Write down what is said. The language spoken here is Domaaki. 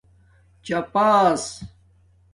چپݳس